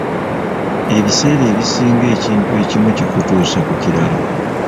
Ebiseera ebisinga ekintu ekimu kikutuusa ku kirala.